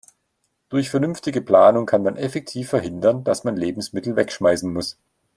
Durch vernünftige Planung kann man effektiv verhindern, dass man Lebensmittel wegschmeißen muss.